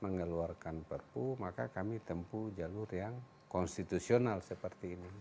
mengeluarkan perpu maka kami tempuh jalur yang konstitusional seperti ini